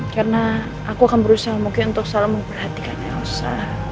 karena aku akan berusaha mungkin untuk selalu memperhatikan elsa